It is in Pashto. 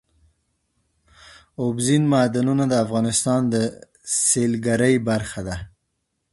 اوبزین معدنونه د افغانستان د سیلګرۍ برخه ده.